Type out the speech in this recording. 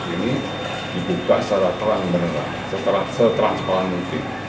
ini dibuka secara terang benar seterang sepalan mimpi